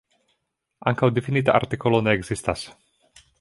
Ankaŭ difinita artikolo ne ekzistas.